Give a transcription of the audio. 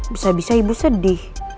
bisa bisa ibu sedih